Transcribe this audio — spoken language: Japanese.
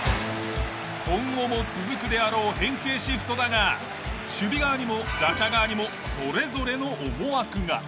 今後も続くであろう変形シフトだが守備側にも打者側にもそれぞれの思惑が。